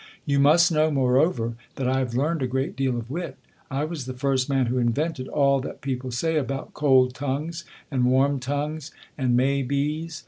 You must know, moreover, that I have learned a gi'eat deal of wit. I was the first man who invented all that peo})le say about cold tongues, and warm tongues, and may bees.